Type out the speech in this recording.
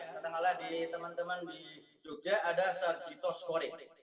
ketengah tengah di teman teman di jogja ada sarjito scoring